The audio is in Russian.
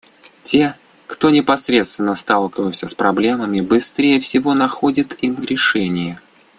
Те, кто непосредственно сталкивается с проблемами, быстрее всего находят им решения.